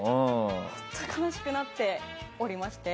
本当に悲しくなっておりまして。